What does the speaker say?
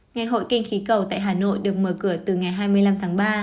ngày hội kinh khí cầu tại hà nội được mở cửa từ ngày hai mươi năm tháng ba